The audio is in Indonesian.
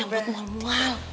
yang buat mual mual